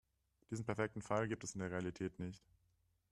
Diesen perfekten Fall gibt es in der Realität nicht.